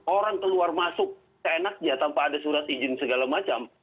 orang keluar masuk seenaknya tanpa ada surat izin segala macam